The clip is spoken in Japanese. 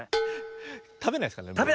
たべないですからね。